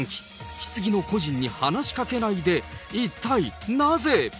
ひつぎの故人に話しかけないで。